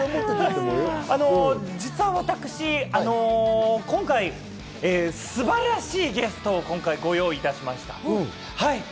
実は私、今回素晴らしいゲストをご用意いたしました。